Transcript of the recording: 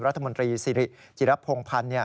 รัฐมนตรีสิริจิรพงพันธ์